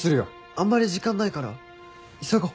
あんまり時間ないから急ごう。